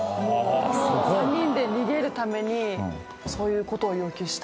３人で逃げるためにそういうことを要求した。